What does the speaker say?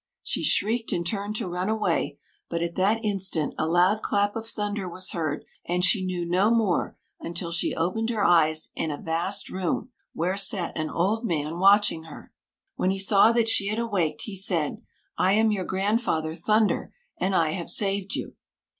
She shrieked, and turned to run away; but at that instant a loud clap of thunder was heard, and she knew no more until she opened her eyes in a vast room, where sat an old man watching her. When he saw that she had awaked, he said, 'I am your grandfather Thunder, and I have saved you.